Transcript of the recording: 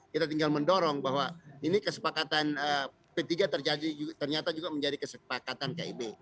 kita tinggal mendorong bahwa ini kesepakatan p tiga terjadi ternyata juga menjadi kesepakatan kib